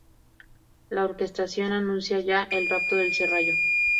La orquestación anuncia ya "El rapto del Serrallo".